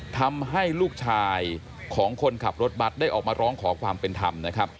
ทำให้ลูกชายของคนขับรถบัตรได้ออกมาร้องขอความเป็นธรรมนะครับ